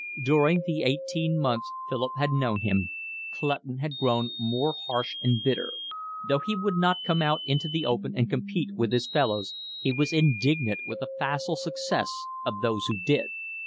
During the eighteen months Philip had known him Clutton had grown more harsh and bitter; though he would not come out into the open and compete with his fellows, he was indignant with the facile success of those who did.